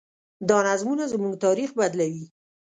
دا نظمونه زموږ تاریخ بدلوي.